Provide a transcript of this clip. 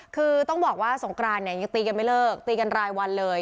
คือต้องบอกว่าสงกรานเนี่ยยังตีกันไม่เลิกตีกันรายวันเลย